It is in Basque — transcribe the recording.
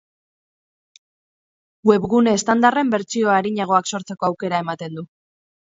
Webgune estandarren bertsio arinagoak sortzeko aukera ematen du.